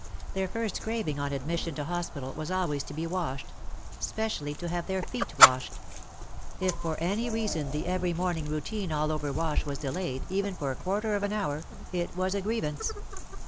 Their first craving on admission to hospital was always to be washed, — specially to have their feet washed. If for any reason the every morning routine all over wash was delayed, even for a quarter of an hour, it was a grievance.